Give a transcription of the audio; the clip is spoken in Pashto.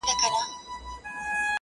سپوږمۍ ته گوره زه پر بام ولاړه يمه-